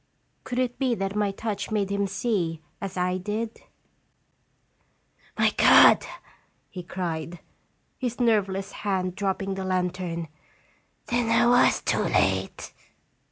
Could it be that my touch made him see as I did ? "My God!" he cried, his nerveless hand dropping the lantern. "Then I was too late